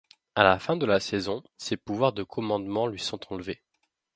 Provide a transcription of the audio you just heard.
À la fin de la saison ses pouvoirs de commandement lui sont enlevés.